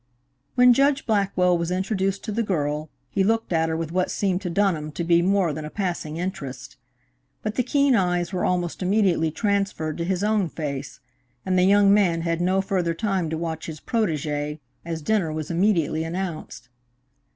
When Judge Blackwell was introduced to the girl, he looked at her with what seemed to Dunham to be more than a passing interest; but the keen eyes were almost immediately transferred to his own face, and the young man had no further time to watch his protégé, as dinner was immediately announced.